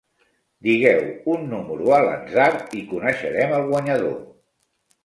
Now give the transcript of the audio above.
Digueu un número a l'atzar i coneixerem el guanyador.